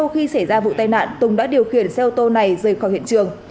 khi xảy ra vụ tai nạn tùng đã điều khiển xe ô tô này rời khỏi hiện trường